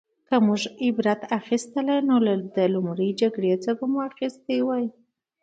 که موږ عبرت اخیستلی نو له لومړۍ جګړې به مو اخیستی وای